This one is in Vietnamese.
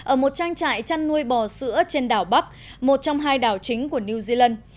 ở một trang trại chăn nuôi bò sữa trên đảo bắc một trong hai đảo chính của new zealand